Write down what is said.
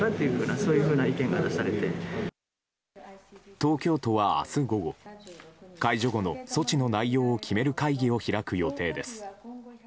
東京都は明日午後解除後の措置の内容を決める会議を開く予定です。